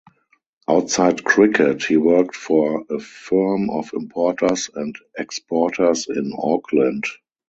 Outside cricket, he worked for a firm of importers and exporters in Auckland.